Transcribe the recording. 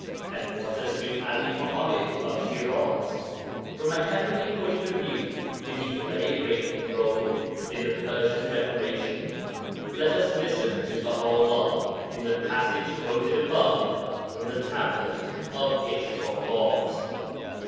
And what as to 'Ali Muḥammad of Shiraz? From a heavenly point of view, did he play a great rôle in the Persian Reformation? Let us listen to Baha 'ullah in the passage quoted above from the Tablet of Ishrakat.